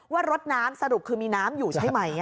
ว่ารถน้ำสรุปคือมีน้ำอยู่ใช่ไหม